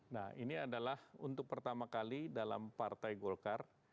nah ini adalah untuk pertama kali dalam partai golkar